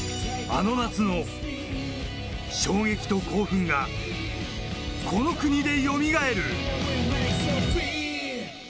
あの夏の衝撃と興奮がこの国でよみがえる。